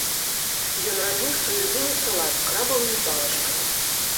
Ён рабіў свой любімы салат з крабавымі палачкамі.